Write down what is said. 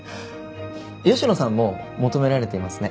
吉野さんも求められていますね。